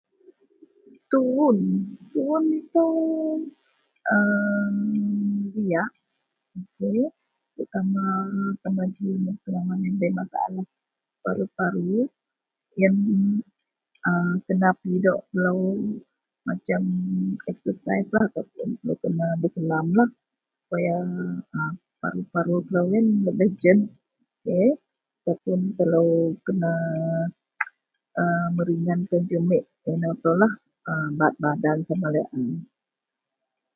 Tuwun, tuwun itou a diyak, ok.. sama, a sama ji telou bei masalah paru-paru yen a kena pidok telou macem eksasaislah.. .. [unintelligible] kena besenamlah supaya a paru-paru telou yen lebeh jed ok ataupun telou kena a meringankan jumiek inou teloulah baat badan sama laei a